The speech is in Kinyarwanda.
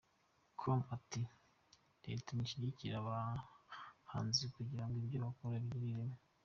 com ati "Leta nishyigikire abahanzi kugira ngo ibyo bakora bigire ireme.